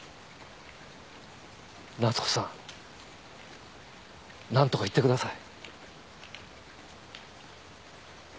夏子さんなんとか言ってください。